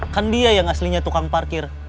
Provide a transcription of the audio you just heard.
kan dia yang aslinya tukang parkir